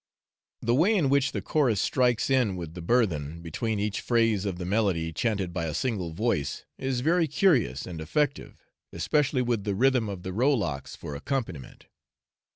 The way in which the chorus strikes in with the burthen, between each phrase of the melody chanted by a single voice, is very curious and effective, especially with the rhythm of the rowlocks for accompaniment.